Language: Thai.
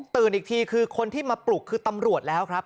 อีกทีคือคนที่มาปลุกคือตำรวจแล้วครับ